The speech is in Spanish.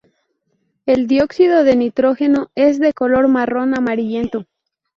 El dióxido de nitrógeno es de color marrón-amarillento.